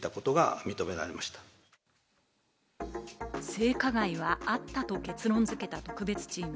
性加害はあったと結論付けた特別チーム。